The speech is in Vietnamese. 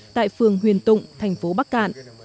tại phường huyền tụng thành phố bắc cạn